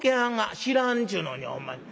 「知らんちゅうのにほんまに。